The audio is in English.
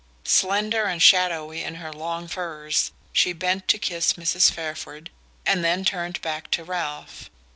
Slender and shadowy in her long furs, she bent to kiss Mrs. Fairford and then turned back to Ralph.